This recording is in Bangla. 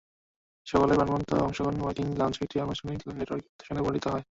সকলের প্রাণবন্ত অংশগ্রহণে ওয়ার্কিং লাঞ্চও একটি অনানুষ্ঠানিক নেটওয়ার্কিং সেশনে পরিণত হয়।